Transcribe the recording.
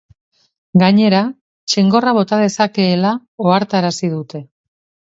Gainera, txingorra bota dezakeela ohartarazi dute.